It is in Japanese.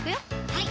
はい